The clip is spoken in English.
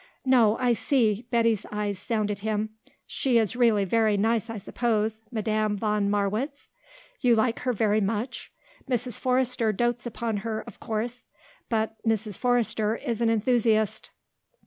"No, I see." Betty's eyes sounded him. "She is really very nice I suppose, Madame von Marwitz? You like her very much? Mrs. Forrester dotes upon her, of course; but Mrs. Forrester is an enthusiast."